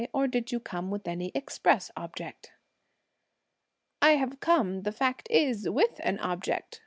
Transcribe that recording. or did you come with any express object?" "I've come, the fact is, with an object!"